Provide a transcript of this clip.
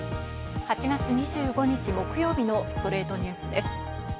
８月２５日、木曜日の『ストレイトニュース』です。